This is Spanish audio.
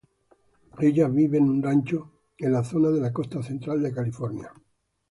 Ella vive en un rancho en la zona de la costa central de California.